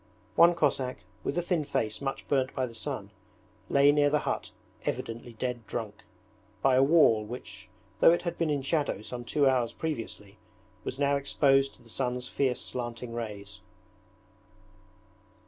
One Cossack, with a thin face much burnt by the sun, lay near the hut evidently dead drunk, by a wall which though it had been in shadow some two hours previously was now exposed to the sun's fierce slanting rays.